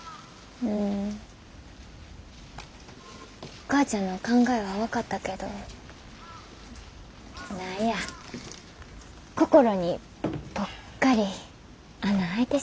お母ちゃんの考えは分かったけど何や心にポッカリ穴開いてしもた。